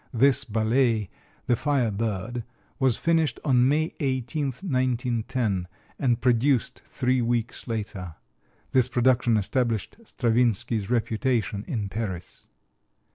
This ballet, "The Fire Bird," was finished on May 18, 1910, and produced three weeks later. This production established Stravinsky's reputation in Paris.